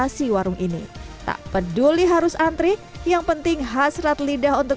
juga bisa diambil dari warung ini tak peduli harus antri yang penting hasrat lidah untuk